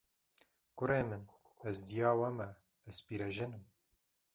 Kurê min, ez dêya we me, ez pîrejin im